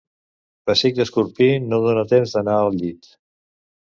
Pessic d'escorpí, no dóna temps d'anar al llit.